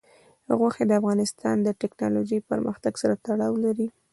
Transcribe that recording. غوښې د افغانستان د تکنالوژۍ پرمختګ سره تړاو لري.